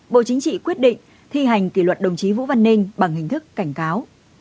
bộ chính trị quyết định thi hành kỷ luật đồng chí vũ văn ninh bằng hình thức cảnh cáo